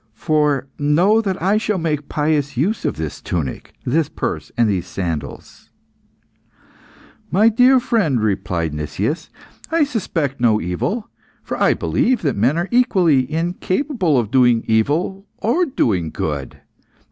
For know that I shall make pious use of this tunic, this purse, and these sandals." "My dear friend," replied Nicias, "I suspect no evil, for I believe that men are equally incapable of doing evil or doing good.